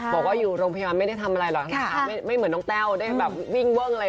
บอกว่าอยู่รองพยายามไม่ได้ทำอะไรเลยไม่เหมือนน้องแต้วได้วิ่งเวิ่งเลย